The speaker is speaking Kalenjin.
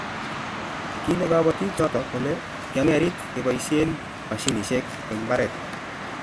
kile kabotik choto kule kiang'erit keboisien mashinisiek eng' mbaret